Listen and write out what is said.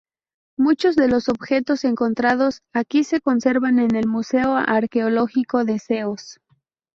Muchos de los objetos encontrados aquí se conservan en el Museo Arqueológico de Ceos.